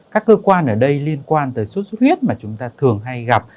các cơ quan ở đây liên quan tới số suất huyết mà chúng ta thường hay gặp